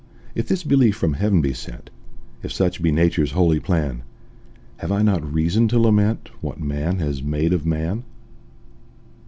If this belief from heaven be sent, If such be Nature's holy plan, Have I not reason to lament What man has made of man?